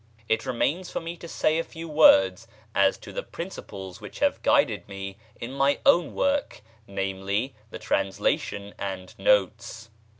It remains for me to say a few words as to the principles which have guided me in my own work, viz. the translation and notes.